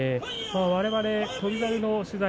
われわれ翔猿の取材